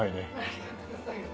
ありがとうございます。